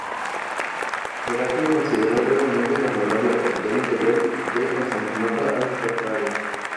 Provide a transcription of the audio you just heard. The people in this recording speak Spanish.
Heraclio consideró brevemente trasladar la capital imperial de Constantinopla a Cartago.